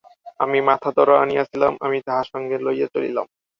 আমিই মাথাধরা আনিয়াছিলাম, আমি তাহা সঙ্গে লইয়া চলিলাম।